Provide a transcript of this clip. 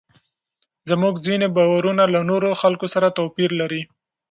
زموږ ځینې باورونه له نورو خلکو سره توپیر لري.